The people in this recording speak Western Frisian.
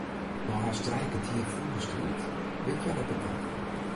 Nei hast trije kertier fûle striid wint hja de partij.